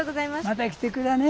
また来てくれね。